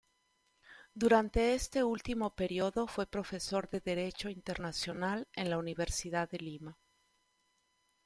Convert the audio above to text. Durante este último período fue profesor de Derecho Internacional en la Universidad de Lima.